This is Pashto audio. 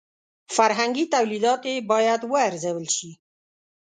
فرهنګي تولیدات یې باید وارزول شي.